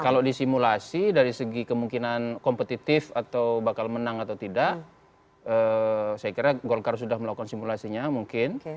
kalau disimulasi dari segi kemungkinan kompetitif atau bakal menang atau tidak saya kira golkar sudah melakukan simulasinya mungkin